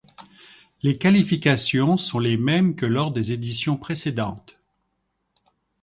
Les qualifications sont les mêmes que lors des éditions précédentes.